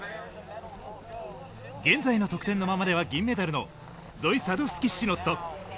現在の得点のままでは銀メダルのゾイ・サドフスキ・シノット。